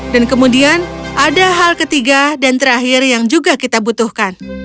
dan kemudian ada hal ketiga dan terakhir yang juga kita butuhkan